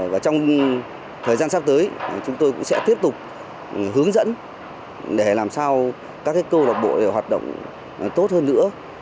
và trong thời gian sắp tới chúng tôi cũng sẽ tiếp tục hướng dẫn để làm sao các câu lạc bộ hoạt động tốt hơn nữa